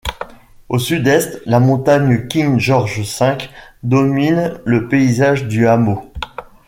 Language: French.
Au sud-est, la montagne King George V domine le paysage du hameau.